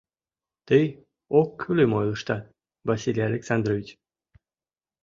— Тый оккӱлым ойлыштат, Василий Александрович.